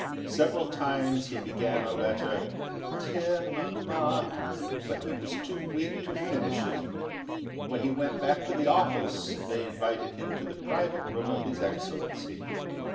Several times he began a letter, "Dear Mamma," but he was too weak to finish it. When he went back to the office they invited him to the private room of his Excellency.